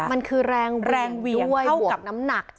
มันคือแรงเวียงด้วยบวกน้ำหนักอีก